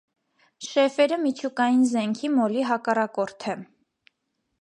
Շեֆերը միջուկային զենքի մոլի հակառակորդ է։